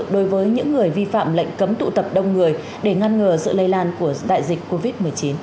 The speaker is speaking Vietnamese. đối với những người vi phạm lệnh cấm tụ tập đông người để ngăn ngừa sự lây lan của đại dịch covid một mươi chín